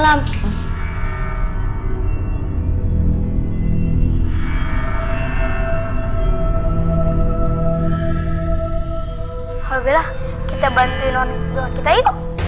alhamdulillah kita bantuin orang tua kita hidup